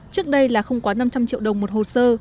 trước đây là không quá năm trăm linh triệu đồng một hồ sơ